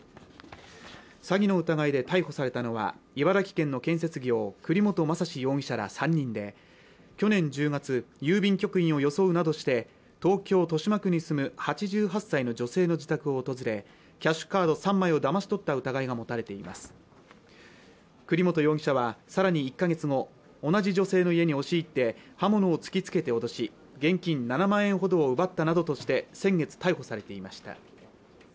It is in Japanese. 詐欺の疑いで逮捕されたのは茨城県の建設業栗本昌史容疑者ら３人で去年１０月郵便局員を装うなどして東京豊島区に住む８８歳の女性の自宅を訪れキャッシュカード３枚をだまし取った疑いが持たれています栗本容疑者はさらに１か月後同じ女性の家に押し入って刃物を突きつけて脅し現金７万円ほどを奪ったなどとして先月逮捕されていました